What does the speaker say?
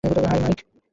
High, mic!